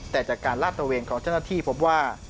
แต่จากการลาดตระเวนของเจ้าหน้าที่พบว่า